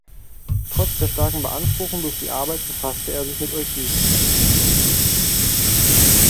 Trotz der starken Beanspruchung durch die Arbeit befasste er sich mit Euklid.